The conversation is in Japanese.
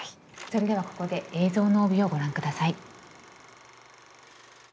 それではここで「映像の帯」をご覧ください。